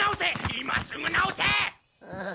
今すぐ直せ！